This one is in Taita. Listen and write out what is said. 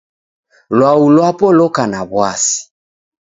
Lwau lwapo loka na w'asi.